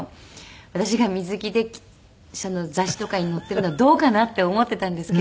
私が水着で雑誌とかに載っているのはどうかな？って思っていたんですけど